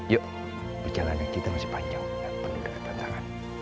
yuk perjalanan kita masih panjang dan penuh dengan tantangan